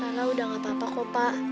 anak udah gak apa apa kok pak